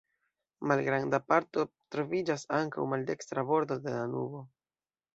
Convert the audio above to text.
Malgranda parto troviĝas ankaŭ maldekstra bordo de Danubo.